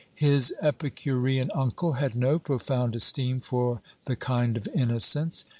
His epicurean uncle had no profound esteem for the kind of innocence.